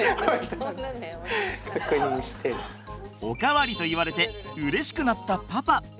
おかわりと言われてうれしくなったパパ。